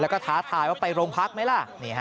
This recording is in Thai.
แล้วก็ท้าทายว่าไปโรงพักไหมล่ะ